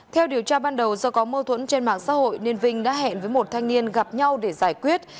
theo điều tra ban đầu do có mâu thuẫn trên mạng xã hội nên vinh đã hẹn với một thanh niên gặp nhau để giải quyết